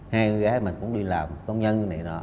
hai con gái mình cũng đi làm công nhân vậy đó